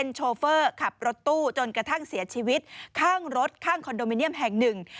โชเฟอร์ขับรถตู้จนกระทั่งเสียชีวิตข้างรถข้างคอนโดมิเนียมแห่งหนึ่ง